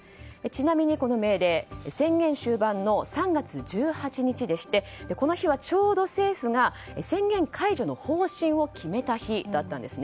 ちなみにこの命令宣言終盤の３月１８日でしてこの日はちょうど政府が宣言解除の方針を決めた日だったんです。